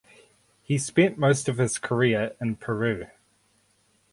He spent most of his career in Peru.